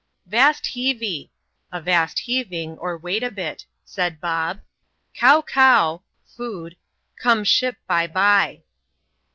" Vast heavey " (avast heaving, or wait a bit) — said Bob— " kow kow " (food) " come ship by by."